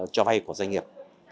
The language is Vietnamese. cho vay của doanh nghiệp